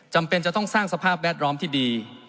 จำเป็นจะต้องสร้างสภาพแวดล้อมที่ดี